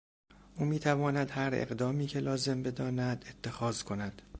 او میتواند هر اقدامی که لازم بداند اتخاذ کند.